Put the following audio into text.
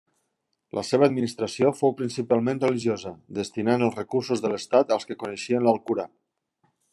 La seva administració fou principalment religiosa, destinant els recursos de l'estat als que coneixien l'Alcorà.